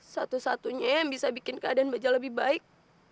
satu satunya yang bisa bikin keadaan baja lebih baik